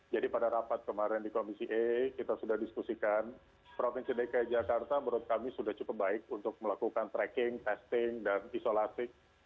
jadi pada rapat kemarin di komisi e kita sudah diskusikan provinsi dki jakarta menurut kami sudah cukup baik untuk melakukan tracking testing dan isolasi